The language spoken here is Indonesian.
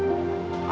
terima kasih dewi